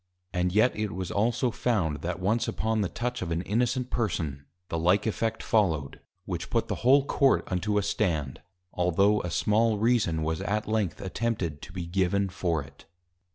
And yet it was also found that once upon the touch of an innocent person, the like effect follow'd, which put the whole Court unto a stand: altho' a small Reason was at length attempted to be given for it.